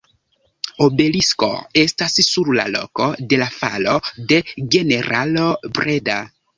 Obelisko estas sur la loko de la falo de generalo Breda.